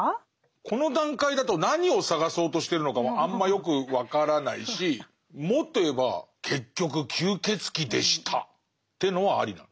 この段階だと何を探そうとしてるのかもあんまよく分からないしもっと言えば結局吸血鬼でしたっていうのはありなの？